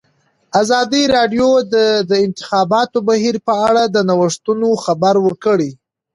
ازادي راډیو د د انتخاباتو بهیر په اړه د نوښتونو خبر ورکړی.